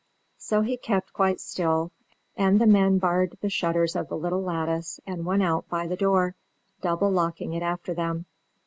So he kept quite still, and the men barred the shutters of the little lattice and went out by the door, double locking it after them.